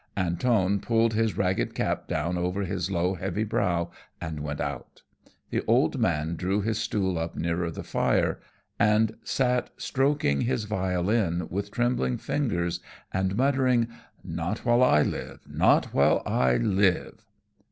Antone pulled his ragged cap down over his low heavy brow, and went out. The old man drew his stool up nearer the fire, and sat stroking his violin with trembling fingers and muttering, "Not while I live, not while I live."